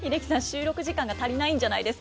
収録時間が足りないんじゃないですか？